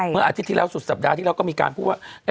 อาทิตย์ที่แล้วสุดสัปดาห์ที่แล้วก็มีการพูดว่า